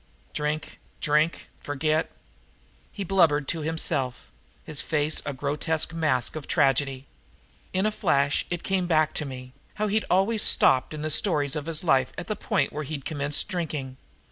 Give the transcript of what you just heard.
Drink! Drink! Forget!" He blubbered to himself, his face a grotesque masque of tragedy. In a flash it came back to me how he'd always stopped in the stories of his life at the point where he'd commenced drinking.